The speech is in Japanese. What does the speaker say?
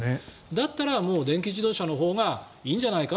だったら、電気自動車のほうがいいんじゃないか。